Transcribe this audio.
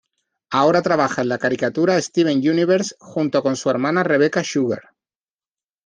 Ahora trabaja en la caricatura Steven Universe junto con su hermana Rebecca Sugar.